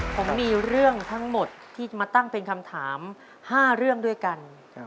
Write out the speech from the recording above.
ผมมีเรื่องทั้งหมดที่จะมาตั้งเป็นคำถาม๕เรื่องด้วยกัน